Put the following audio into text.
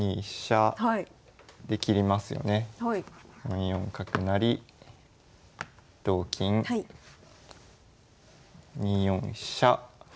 ２四角成同金２四飛車。